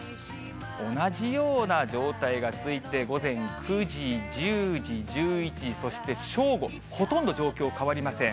同じような状態が続いて、午前９時、１０時、１１時、そして正午、ほとんど状況変わりません。